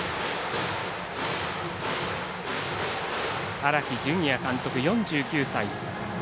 荒木準也監督、４９歳。